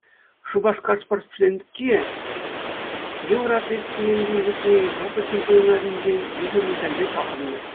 Шупашкар спортсменки йывӑр атлетика енӗпе иртнӗ Европа чемпионатӗнчен виҫӗ медальпе таврӑннӑ.